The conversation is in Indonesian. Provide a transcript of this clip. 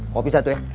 kopi satu ya